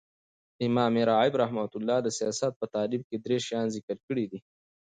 امام راغب رحمة الله د سیاست په تعریف کښي درې شیان ذکر کړي دي.